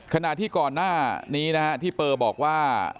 ขณะที่ก่อนหน้านี้นะฮะที่เปอร์บอกว่า